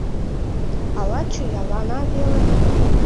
Ала чоялана веле?